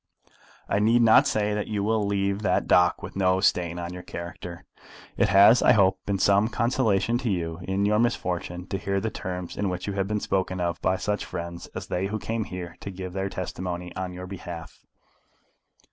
I need not say that you will leave that dock with no stain on your character. It has, I hope, been some consolation to you in your misfortune to hear the terms in which you have been spoken of by such friends as they who came here to give their testimony on your behalf.